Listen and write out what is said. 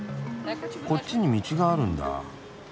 こっちに道があるんだ。